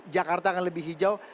jakarta akan lebih hijau